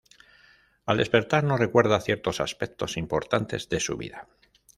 Al despertar, no recuerda ciertos aspectos importantes de su vida.